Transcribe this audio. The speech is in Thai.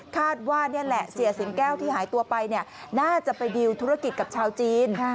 คาดว่านี่แหละเสียสิงแก้วที่หายตัวไปน่าจะไปดิวธุรกิจกับชาวจีน